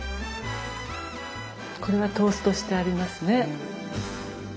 これはトーストしてありますね。